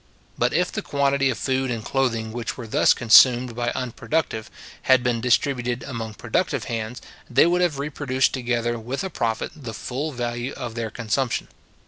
But if the quantity of food and clothing which were thus consumed by unproductive, had been distributed among productive hands, they would have reproduced, together with a profit, the full value of their consumption.